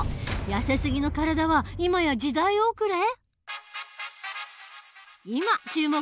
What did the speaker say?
やせすぎの体は今や時代遅れ！？